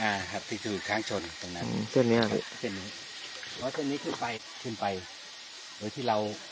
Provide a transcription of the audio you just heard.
อืมเส้นนี้ครับพี่